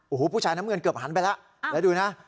โอ้โหผู้ชายน้ำเงินเกือบหันไปแล้วแล้วดูนะ